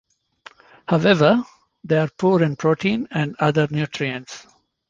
However, they are poor in protein and other nutrients.